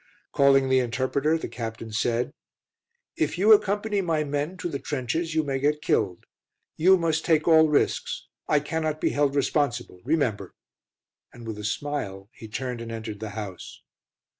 Calling the interpreter, the Captain said, "If you accompany my men to the trenches you may get killed. You must take all risks. I cannot be held responsible, remember!" And with a smile, he turned and entered the house.